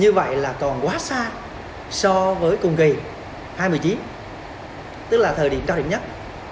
như vậy là còn quá xa so với cùng kỳ hai nghìn một mươi chín tức là thời điểm cao điểm nhất